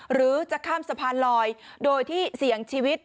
หรือจะข้ามสะพานลอยโดยที่เสี่ยงชีวิต